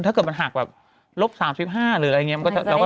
ถ้าเกิดมันหักแบบลบ๓๕หรืออะไรอย่างนี้